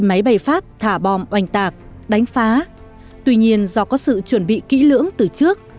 máy bay pháp thả bom oanh tạc đánh phá tuy nhiên do có sự chuẩn bị kỹ lưỡng từ trước